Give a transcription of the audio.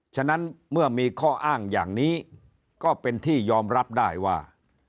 ฉะนั้นเมื่อมีข้ออ้างอย่างนี้ก็เป็นที่ยอมรับได้ว่า